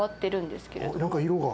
何か色が。